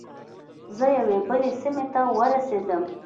زه یوې بلې سیمې ته ورسیدم.